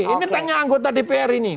ini tanya anggota dpr ini